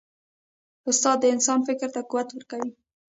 استاد د انسان فکر ته قوت ورکوي.